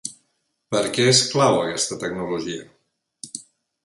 Per a què és clau aquesta tecnologia?